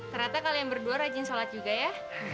ternyata kalian berdua rajin sholat juga ya